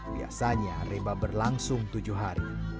biasanya reba berlangsung tujuh hari